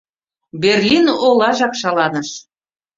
Берлин олажак шаланыш.